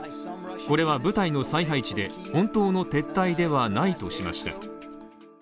これは部隊の再配置で本当の撤退ではないとしました。